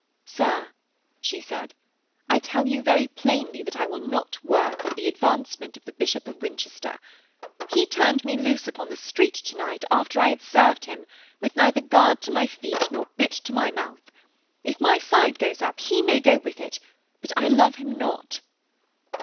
'Sir,' she said, 'I tell you very plainly that I will not work for the advancement of the Bishop of Winchester. He turned me loose upon the street to night after I had served him, with neither guard to my feet nor bit to my mouth. If my side goes up, he may go with it, but I love him not.'